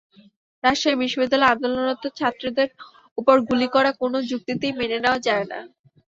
রাজশাহী বিশ্ববিদ্যালয়ের আন্দোলনরত ছাত্রদের ওপর গুলি করা কোনো যুক্তিতেই মেনে নেওয়া যায় না।